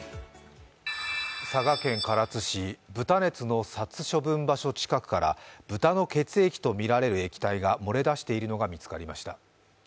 佐賀県唐津市豚熱の殺処分場所近くから豚の血液とみられる液体が漏れ出しているのが見つかりました。